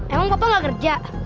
emang papa nggak kerja